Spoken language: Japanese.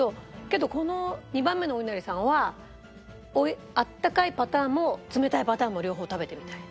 けどこの２番目のおいなりさんはあったかいパターンも冷たいパターンも両方食べてみたい。